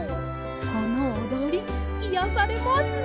このおどりいやされますね。